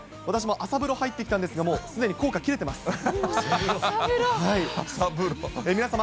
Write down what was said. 私も朝風呂入ってきたんですが、もうすでに効果切れてます。